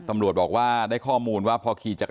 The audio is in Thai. ตำรวจบอกว่าปกติว่าพอก่อหน่อยก็พอก่อเหตุ